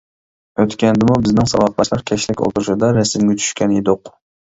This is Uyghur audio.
ئۆتكەندىمۇ بىزنىڭ ساۋاقداشلار كەچلىك ئولتۇرۇشىدا رەسىمگە چۈشكەن ئىدۇق.